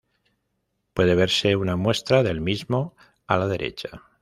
Puede verse una muestra del mismo a la derecha.